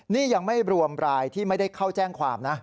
นี่ยังไม่รวมรายที่ไม่ได้เข้าแจ้งความนะ